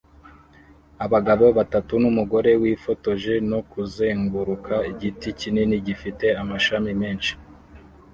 Abagabo batatu numugore wifotoje no kuzenguruka igiti kinini gifite amashami menshi